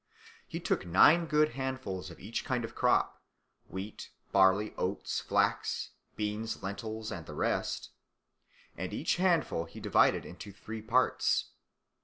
He took nine good handfuls of each kind of crop wheat, barley, oats, flax, beans, lentils, and the rest; and each handful he divided into three parts.